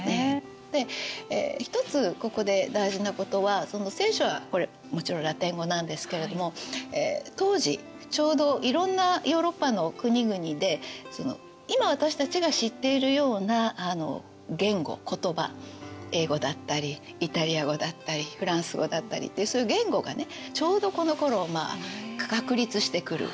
で一つここで大事なことは「聖書」はこれもちろんラテン語なんですけれども当時ちょうどいろんなヨーロッパの国々で今私たちが知っているような言語言葉英語だったりイタリア語だったりフランス語だったりってそういう言語がねちょうどこのころ確立してくる。